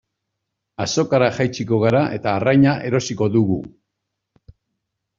Azokara jaitsiko gara eta arraina erosiko dugu.